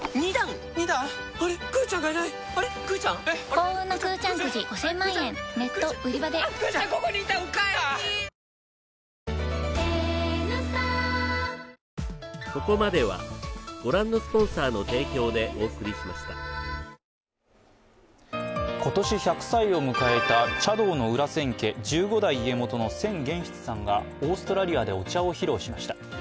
新「ブローネ泡カラー」「ブローネ」今年１００歳を迎えた茶道の裏千家、１５代家元の千玄室さんがオーストラリアでお茶を披露しました。